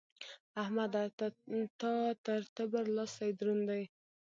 احمده! تا تر تبر؛ لاستی دروند کړ.